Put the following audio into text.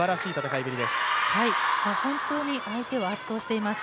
本当に相手を圧倒しています。